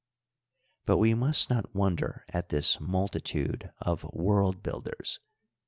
But we must not wonder at this multitude of worid builders.